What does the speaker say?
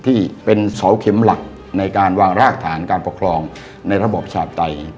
ที่เป็นเสาเข็มหลักในการวางรากฐานการปกครองในระบอบชาปไตย